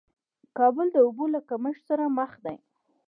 کابل د اوبو له کمښت سره مخ دې